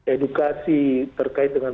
edukasi terkait dengan